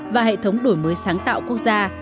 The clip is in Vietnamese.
và hệ thống đổi mới sáng tạo quốc gia